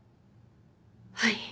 はい。